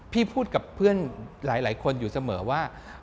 พูดกับเพื่อนหลายคนอยู่เสมอว่า